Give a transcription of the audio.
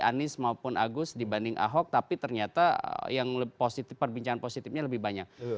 anis maupun agus dibanding ahok tapi ternyata yang lebih positif perbincangan positifnya yang lebih positif menurut mas gun